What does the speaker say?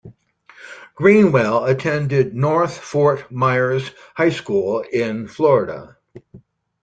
Greenwell attended North Fort Myers High School in Florida.